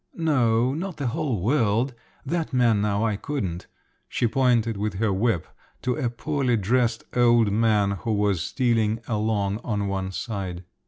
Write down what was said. No, not the whole world…. That man now I couldn't." She pointed with her whip at a poorly dressed old man who was stealing along on one side.